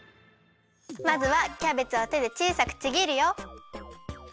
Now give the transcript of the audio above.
まずはキャベツをてでちいさくちぎるよ。